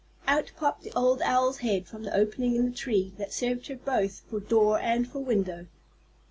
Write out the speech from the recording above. Out popped the old Owl's head from the opening in the tree that served her both for door and for window.